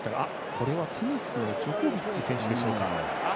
これはテニスのジョコビッチ選手でしょうか。